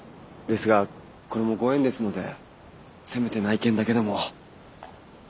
ですがこれもご縁ですのでせめて内見だけでも。